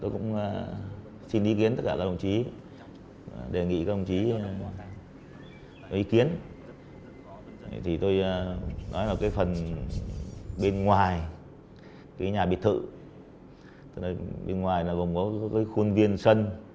bên ngoài cái nhà biệt thự bên ngoài là gồm có cái khuôn viên sân